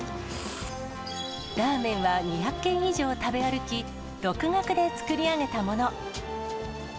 ラーメンは２００軒以上食べ歩き、独学で作り上げたもの。